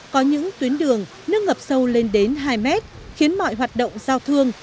có những tuyến đường nước ngập sâu lên đến hai mét khiến mọi hoạt động giao thương